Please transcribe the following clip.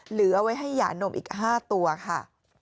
เหลือเอาไว้ให้หย่านมอีก๕ตัวค่ะ